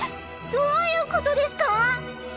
どういう事ですか？